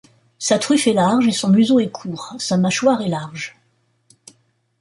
Sa truffe est large et son museau est court, sa mâchoire est large.